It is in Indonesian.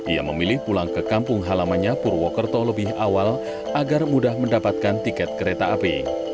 ia memilih pulang ke kampung halamannya purwokerto lebih awal agar mudah mendapatkan tiket kereta api